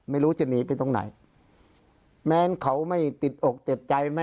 ไม่รู้จะหนีไปตรงไหนแม้เขาไม่ติดอกติดใจไหม